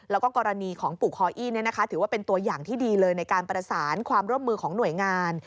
แล้วก็กรณีของปู่คออี้ถือว่าเป็นตัวอย่างที่ดีเลยในการประสานความร่วมมือของหน่วยงาน